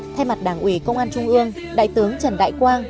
thay mặt đảng ủy công an trung ương đại tướng trần đại quang